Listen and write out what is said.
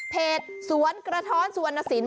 สวนกระท้อนสุวรรณสิน